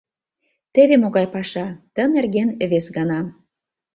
— Теве могай паша: ты нерген вес гана.